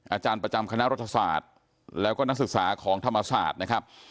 อาจารย์ประจำคณะรัฐศาสตร์แล้วก็นักศึกษาของธรรมศาสตร์นะครับ